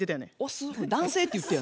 男性って言ってよな。